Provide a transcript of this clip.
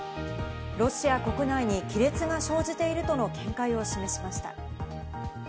ロシア国内に亀裂が生じているとの見解を示しました。